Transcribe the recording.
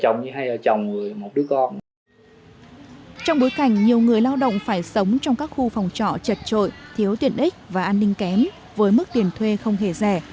nhiều người lao động phải sống trong các khu phòng trọ chật trội thiếu tiện ích và an ninh kém với mức tiền thuê không hề rẻ